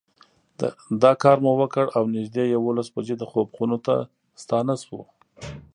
دا کار مو وکړ او نږدې یوولس بجې د خوب خونو ته ستانه شوو.